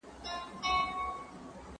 دوی د زعفرانو په ژبه پوهېږي.